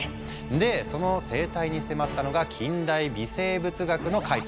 でその生態に迫ったのが近代微生物学の開祖